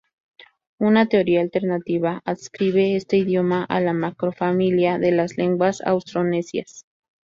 Una teoría alternativa adscribe este idioma a la macrofamilia de las lenguas austronesias.